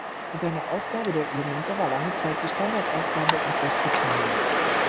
Seine Ausgabe der Elemente war lange Zeit die Standardausgabe in Großbritannien.